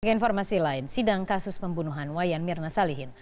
sebagai informasi lain sidang kasus pembunuhan wayan mirna salihin